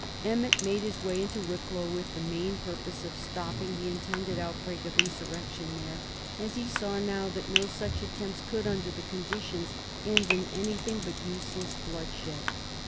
Emmet made his way into Wicklow with the main purpose of stopping the intended outbreak of insurrection there, as he saw now that no such attempts could, under the conditions, end in anything but useless bloodshed.